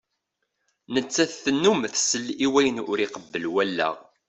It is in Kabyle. Nettat tennum tessal i wayen ur iqebbel wallaɣ.